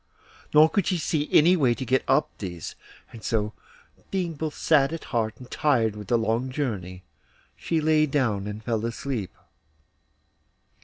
Nor could she see any way to get up these, and so, being both sad at heart and tired with the long journey, she lay down and fell asleep.